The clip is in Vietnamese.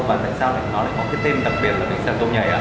và tại sao lại có cái tên đặc biệt là bánh xèo tôm nhảy ạ